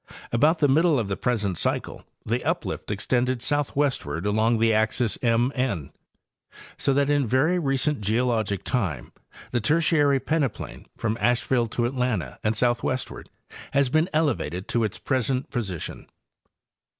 About the middle of the present cycle the uplift Drainage of the Province. 95 extended southwestward along the axis M N,so that in very recent geologic time the Tertiary peneplain from Asheville to Atlanta and southwestward has been elevated to its present position.